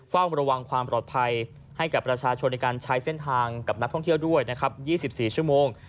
เฝ้าระวังความปลอดภัยให้กับประชาชนในการใช้เส้นทางกับนักท่องเที่ยวด้วยนะครับ๒๔ชั่วโมง